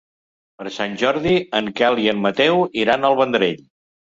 Per Sant Jordi en Quel i en Mateu iran al Vendrell.